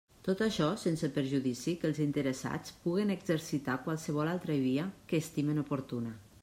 Tot això sense perjudici que els interessats puguen exercitar qualsevol altra via que estimen oportuna.